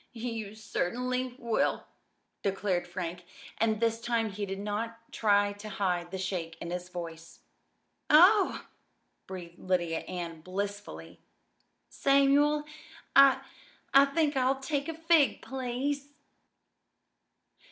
"You certainly will!" declared Frank. And this time he did not even try to hide the shake in his voice. "Oh!" breathed Lydia Ann blissfully. "Samuel, I I think I'll take a fig, please!"